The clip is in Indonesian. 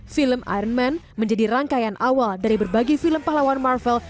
film iron man menjadi rangkaian awal dari berbagi film pahlawan marvel